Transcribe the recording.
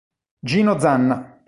Gino Zanna